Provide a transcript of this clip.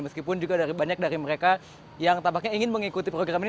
meskipun juga banyak dari mereka yang tampaknya ingin mengikuti program ini